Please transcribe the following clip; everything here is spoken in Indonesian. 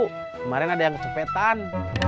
kemarin ada yang kecepetan